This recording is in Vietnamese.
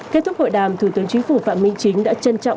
kết thúc hội đàm thủ tướng chính phủ phạm minh chính đã trân trọng